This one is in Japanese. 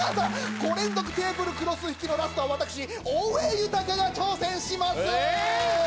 ５連続テーブルクロス引きのラストは私大江裕が挑戦しますええ